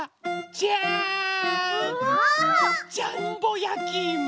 ジャンボやきいも。